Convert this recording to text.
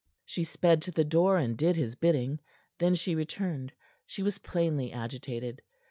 She sped to the door, and did his bidding. Then she returned. She was plainly agitated.